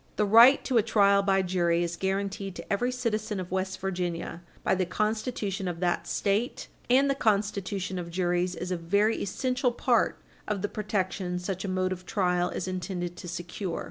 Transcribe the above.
The right to a trial by jury is guaranteed to every citizen of West Virginia by the Constitution of that State, and the constitution of juries is a very essential part of the protection such a mode of trial is intended to secure.